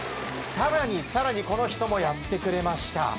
更に更にこの人もやってくれました。